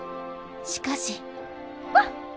しかしあっ！